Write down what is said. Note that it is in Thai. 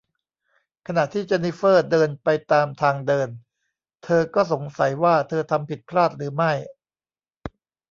ขณะที่เจนนิเฟอร์เดินไปตามทางเดิน เธอก็สงสัยว่าเธอทำผิดพลาดหรือไม่